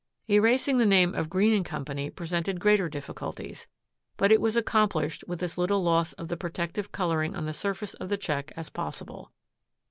Erasing the name of "Green & Co.," presented greater difficulties, but it was accomplished with as little loss of the protective coloring on the surface of the check as possible.